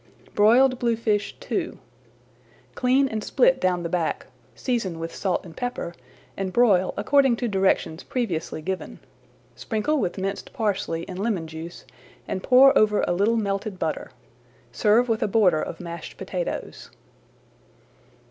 BROILED BLUEFISH II Clean and split down the back, season with salt and pepper, and broil according to directions previously given. Sprinkle with minced parsley and lemon juice and pour over a little melted butter. Serve with a border of mashed potatoes.